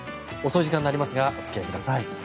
遅い時間になりますがお付き合いください。